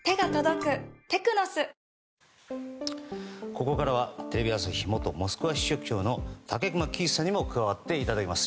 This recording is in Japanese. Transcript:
ここからはテレビ朝日元モスクワ支局長の武隈喜一さんにも加わっていただきます。